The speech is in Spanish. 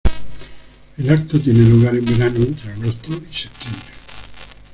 El evento tiene lugar en verano, entre agosto y septiembre.